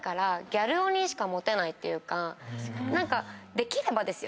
できればですよ。